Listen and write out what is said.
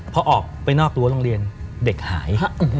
พอออกไปนอกรั้วโรงเรียนเด็กหาย